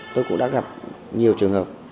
tôi cũng đã gặp nhiều trường hợp